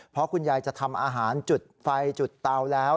เพราะคุณยายจะทำอาหารจุดไฟจุดเตาแล้ว